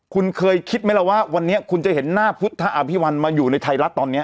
คุณเคยคิดไหมล่ะว่าวันนี้คุณจะเห็นหน้าพุทธอภิวัลมาอยู่ในไทยรัฐตอนนี้